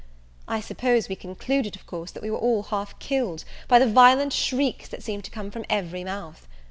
I suppose we concluded, of course, that we were all half killed, by the violent shrieks that seemed to come from every mouth.